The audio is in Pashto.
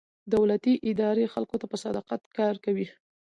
دولتي ادارې خلکو ته په صداقت کار کوي.